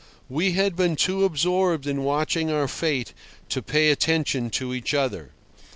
We had been too absorbed in watching our fate to pay attention to each other.